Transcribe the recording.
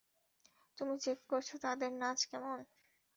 তুমি চেক করছ তাদের নাচ কেমন!